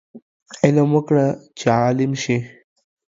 علم وکړه چې عالم شې